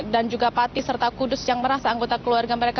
dan juga pati serta kudus yang merasa anggota keluarga mereka